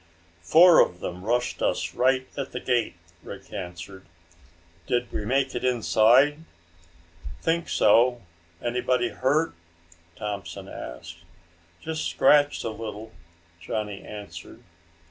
"Four of them rushed us right at the gate," Rick answered. "Did we make it inside?" "Think so. Anybody hurt?" Thompson asked. "Just scratched a little," Johnny answered.